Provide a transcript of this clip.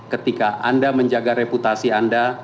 ketika anda menjaga reputasi anda